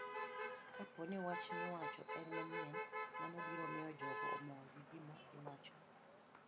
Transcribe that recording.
Kapo ni wach miwacho en manyien, mano biro miyo jogo omor gi gima iwacho